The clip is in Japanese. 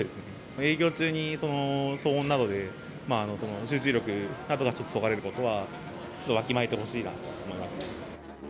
営業中に騒音などで、集中力がそがれることは、ちょっとわきまえてほしいなと思います。